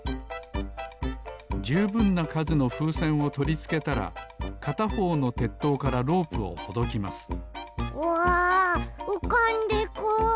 じゅうぶんなかずのふうせんをとりつけたらかたほうのてっとうからロープをほどきますわうかんでく！